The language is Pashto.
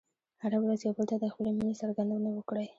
هره ورځ یو بل ته د خپلې مینې څرګندونه وکړئ.